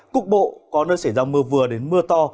cục bộ có nơi xảy ra mưa vừa đến mưa to